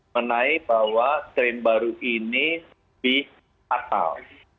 menai bahwa strain baru ini lebih fatal